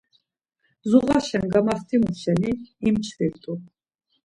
Zuğaşen gamaxtimu şeni imçvirt̆u.